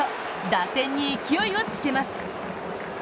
打線に勢いをつけます。